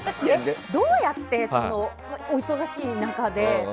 どうやってお忙しい中で。